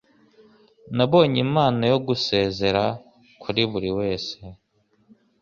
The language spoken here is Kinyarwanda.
Nabonye impano yo gusezera kuri buri wese.